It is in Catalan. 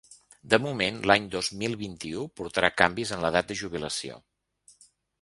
De moment, l’any dos mil vint-i-u portarà canvis en l’edat de jubilació.